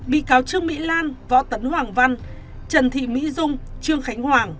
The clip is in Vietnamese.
bị cáo trương mỹ lan võ tấn hoàng văn trần thị mỹ dung trương khánh hoàng